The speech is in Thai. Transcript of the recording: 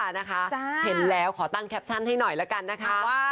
นะคะเห็นแล้วขอตั้งแคปชั่นให้หน่อยละกันนะคะ